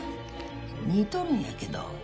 似とるんやけど。